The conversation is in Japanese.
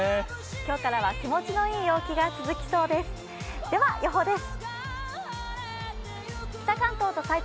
今日からは気持ちのいい陽気が続きそうです、では予報です。